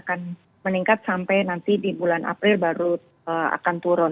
akan meningkat sampai nanti di bulan april baru akan turun